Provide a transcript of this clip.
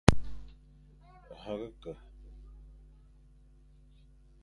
Herga ke,